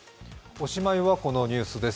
おしまいはこのニュースです。